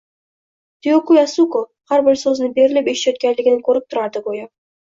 Tiyoko Yasuko har bir so`zni berilib eshitayotganligini ko`rib turardi, go`yo